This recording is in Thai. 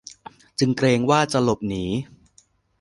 จึงเกรงว่าจะหลบหนี